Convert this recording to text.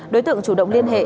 đối tượng chủ động liên hệ